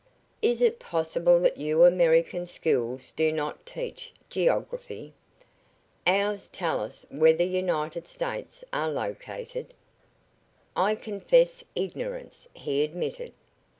"Is it possible that your American schools do not teach geography? Ours tell us where the United States are located." "I confess ignorance," he admitted.